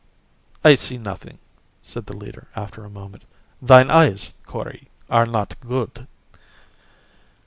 "I see nothing," said the leader, after a moment. "Thine eyes, Kori, are not good."